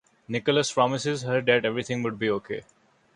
Nicholas promises her that everything would be okay.